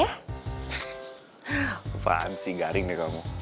apaan sih garing deh kamu